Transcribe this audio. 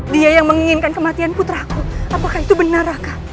dia yang menginginkan kematian putraku apakah itu benar raka